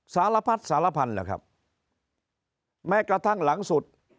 สารพัดสารพันธุ์ล่ะครับแม้กระทั่งหลังสุด